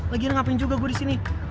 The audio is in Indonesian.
lagian ngapain juga gue di sini